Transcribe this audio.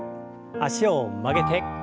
脚を曲げて。